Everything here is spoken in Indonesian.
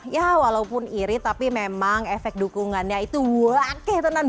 ya walaupun irit tapi memang efek dukungannya itu wakeh tenang